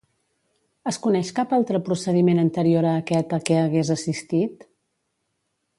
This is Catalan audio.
Es coneix cap altre procediment anterior a aquest a què hagués assistit?